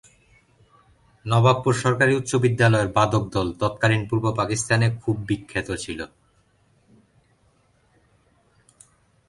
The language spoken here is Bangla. নবাবপুর সরকারি উচ্চ বিদ্যালয়ের বাদক দল তৎকালীন পূর্ব পাকিস্তানের খুব বিখ্যাত ছিল।